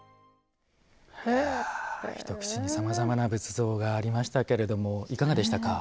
一口にさまざまな仏像がありましたけれどもいかがでしたか。